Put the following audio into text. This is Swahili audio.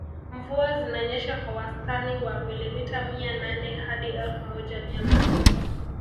Mvua zinanyesha kwa wastani wa milimita mia nane hadi elfu moja mia moja